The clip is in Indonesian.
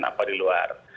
atau di luar